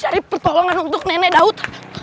cari pertolongan untuk nenek daud